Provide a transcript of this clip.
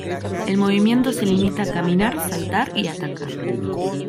El movimiento se limita a caminar, saltar y atacar.